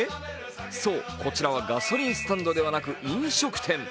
そうこちらはガソリンスタンドではなく飲食店。